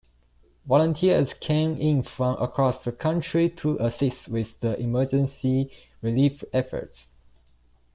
Volunteers came in from across the country to assist with the emergency relief efforts.